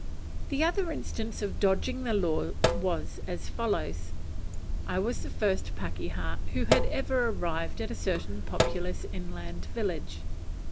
The other instance of dodging the law was as follows. I was the first pakeha who had ever arrived at a certain populous inland village.